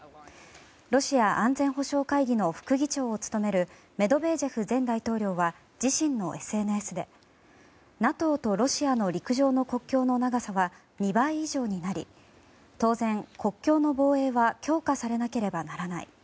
ロシア安全保障会議の副議長を務めるメドベージェフ前大統領は自身のＳＮＳでＮＡＴＯとロシアの陸上の国境の長さは２倍以上になり当然、国境の防衛は強化されなければならない。